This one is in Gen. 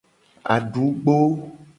Adugbo.